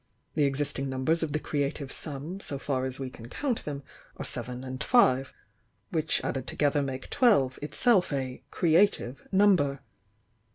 The existing numbers of the creative sum, so far as we can count them, are Seven and Five, which added together make Twelve, itself a 'cre ative' number.